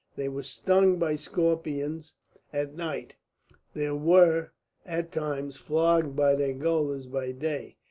They were stung by scorpions at night; they were at times flogged by their gaolers by day.